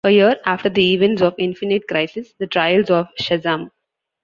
A year after the events of "Infinite Crisis", "The Trials of Shazam!